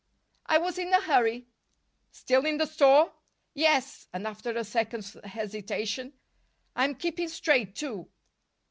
"I was in a hurry." "Still in the store?" "Yes." And, after a second's hesitation: "I'm keeping straight, too."